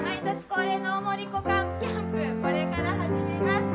これから始めます。